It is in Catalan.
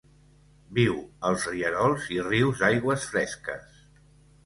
Viu als rierols i rius d'aigües fresques.